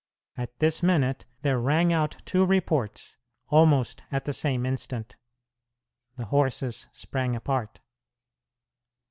At this minute there rang out two reports, almost at the same instant. The horses sprang apart.